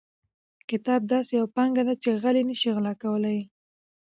کتاب داسې یوه پانګه ده چې غل یې نشي غلا کولی.